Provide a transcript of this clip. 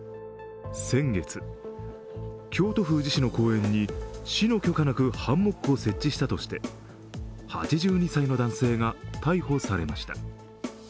先月、京都府宇治市の公園に市の許可なくハンモックを設置したとして、８２歳の男性が逮捕されました。